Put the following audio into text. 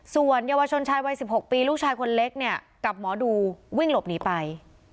ส่วนเยาวชนชายวัย๑๖ปีลูกชายคนเล็กเนี่ยกับหมอดูวิ่งหลบหนีไป